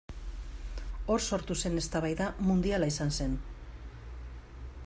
Hor sortu zen eztabaida mundiala izan zen.